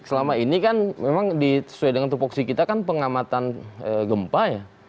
selama ini kan memang sesuai dengan tupoksi kita kan pengamatan gempa ya